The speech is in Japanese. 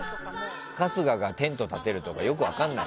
春日がテントを建てるとかよく分かんない。